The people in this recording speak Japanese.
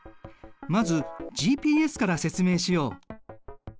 まずＧＰＳから説明しよう。